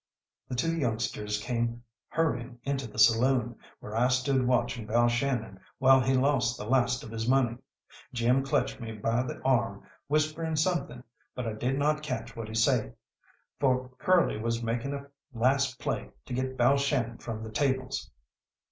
The two youngsters came hurrying into the saloon, where I stood watching Balshannon while he lost the last of his money. Jim clutched me by the arm, whispering something, but I did not catch what he said, for Curly was making a last play to get Balshannon from the tables.